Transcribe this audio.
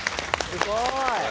すごい！